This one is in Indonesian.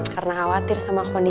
karena khawatir sama kondisi anda ya